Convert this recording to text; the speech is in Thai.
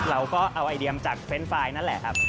เราก็เอาไอเดียมาจากเฟรนด์ไฟล์นั่นแหละครับ